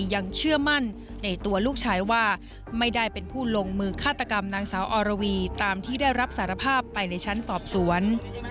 ยังเชื่อมั่นในตัวลูกชายว่าไม่ได้เป็นผู้ลงมือฆาตกรรมนางสาวอรวีตามที่ได้รับสารภาพไปในชั้นสอบสวน